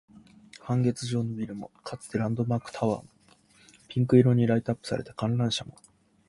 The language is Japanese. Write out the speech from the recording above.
半月状のビルも、かつてのランドマークタワーも、ピンク色にライトアップされた観覧車も